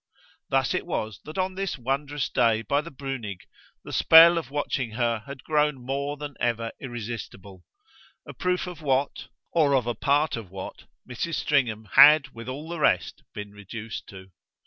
Thus it was that on this wondrous day by the Brunig the spell of watching her had grown more than ever irresistible; a proof of what or of a part of what Mrs. Stringham had, with all the rest, been reduced to.